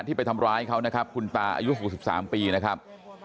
ไปทำร้ายเขานะครับคุณตาอายุ๖๓ปีนะครับ